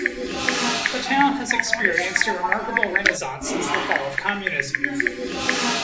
The town has experienced a remarkable renaissance since the fall of Communism.